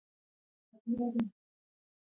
اوبزین معدنونه د افغانستان د صادراتو برخه ده.